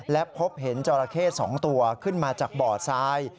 และพบเห็นจราเข้๒ตัวขึ้นมาจากบ่อทราย